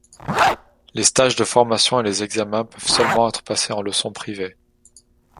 Les stages de formation et les examens peuvent seulement être passés en leçons privées.